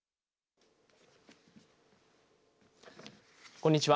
こんにちは。